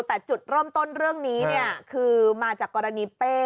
แต่จุดเริ่มต้นเรื่องนี้เนี่ยคือมาจากกรณีเป้